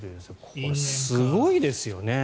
これ、すごいですよね。